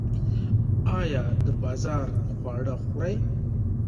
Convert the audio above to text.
ایا د بازار خواړه خورئ؟